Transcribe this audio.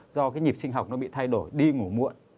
do cái nhịp sinh học nó bị thay đổi đi ngủ muộn